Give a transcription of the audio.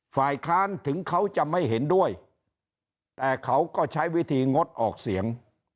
ฝ่ายค้านถึงเขาจะไม่เห็นด้วยแต่เขาก็ใช้วิธีงดออกเสียง